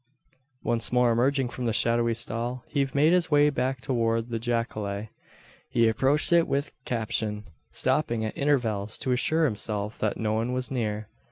Once more emerging from the shadowy stall, he made his way back towards the jacale. He approached it with caption, stopping at intervals to assure himself that no one was near.